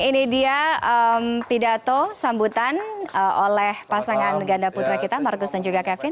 ini dia pidato sambutan oleh pasangan ganda putra kita marcus dan juga kevin